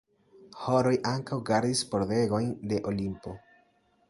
Horoj ankaŭ gardis pordegojn de Olimpo.